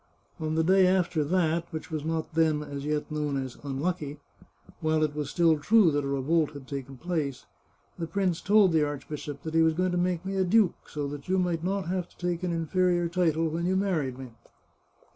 " On the day after that which was not then, as yet, known as * unlucky,' while it was still true that a revolt had taken place, the prince told the archbishop that he was going to make me a duke, so that you might not have to take an inferior title when you married me.